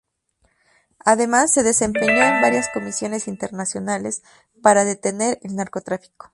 Además, se desempeñó en varias comisiones internacionales para detener el narcotráfico.